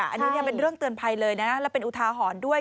อันนี้เป็นเรื่องเตือนภัยเลยนะและเป็นอุทาหรณ์ด้วย